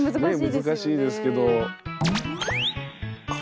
難しいですけど。